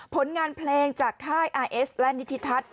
ผลงานเพลงจากค่ายอาร์เอสและนิธิทัศน์